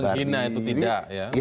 menghina itu tidak ya